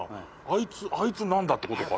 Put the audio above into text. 「あいつ何だ？」ってことか。